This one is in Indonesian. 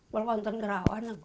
kalau itu kerawan itu